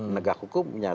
negah hukum menyatakan